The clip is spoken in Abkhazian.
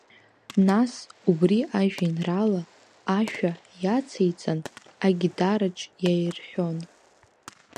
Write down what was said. Нас, убри ажәеинраала, ашәа иациҵан, агитараҿ иаирҳәон.